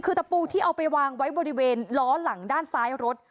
คือตะปูที่เอาไปวางไว้บริเวณล้อหลังด้านซ้ายรถ